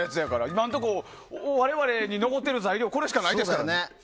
今のとこ、我々に残ってる材料はこれしかないですよ。